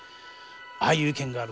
「ああいう意見がある」